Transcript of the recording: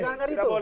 jangan dengar itu